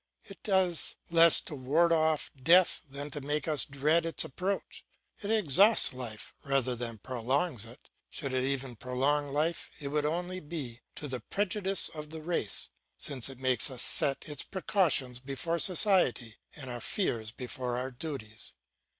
It does less to ward off death than to make us dread its approach. It exhausts life rather than prolongs it; should it even prolong life it would only be to the prejudice of the race, since it makes us set its precautions before society and our fears before our duties.